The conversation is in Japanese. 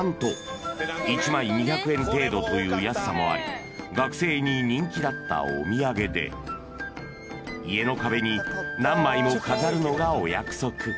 ［１枚２００円程度という安さもあり学生に人気だったお土産で家の壁に何枚も飾るのがお約束］